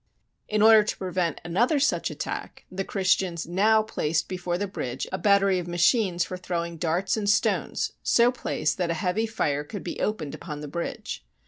In order to prevent another such attack, the Christians now placed before the bridge a battery of machines for throwing darts and stones, so placed that a heavy fire could be opened upon the bridge.